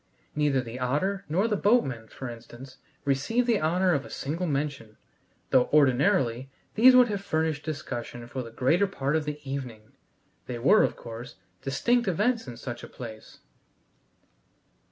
Neither the otter nor the boatman, for instance, received the honor of a single mention, though ordinarily these would have furnished discussion for the greater part of the evening. They were, of course, distinct events in such a place.